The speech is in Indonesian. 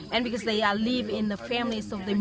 dan karena mereka tinggal di keluarga mereka